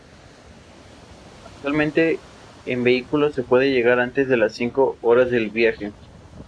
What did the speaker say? Actualmente, en vehículo, se puede llegar antes de las cinco horas de viaje.